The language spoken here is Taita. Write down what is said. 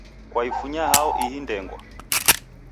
Kwaifunya hao ihi ndengwa?